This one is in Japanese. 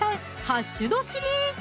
ハッシュドシリーズ！